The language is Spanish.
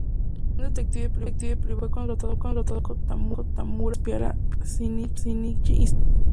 Un detective privado que fue contratado por Reiko Tamura para espiar a Shinichi Izumi.